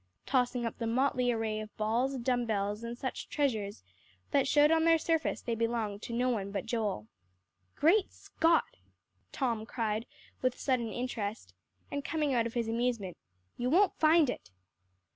tossing up the motley array of balls, dumb bells, and such treasures, that showed on their surface they belonged to no one but Joel. "Great Scott!" Tom cried with sudden interest, and coming out of his amusement. "You won't find it."